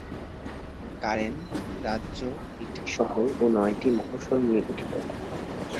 Current রাজ্য একটি শহর ও নয়টি মফস্বল নিয়ে গঠিত।